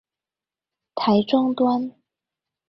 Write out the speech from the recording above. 台中端